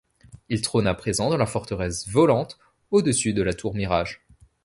Il trône à présent dans la forteresse volante, au-dessus de la Tour Mirage.